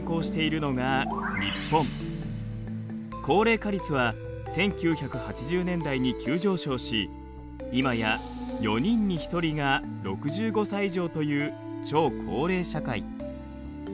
高齢化率は１９８０年代に急上昇し今や４人に１人が６５歳以上という超高齢社会。